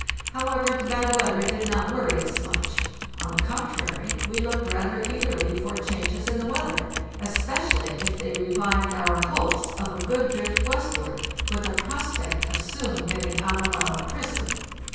However, the bad weather did not worry us much; on the contrary, we looked rather eagerly for changes in the weather, especially if they revived our hopes of a good drift westward, with a prospect of soon getting out of our prison.